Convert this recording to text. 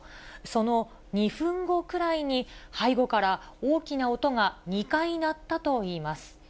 その２分後くらいに、背後から大きな音が２回鳴ったといいます。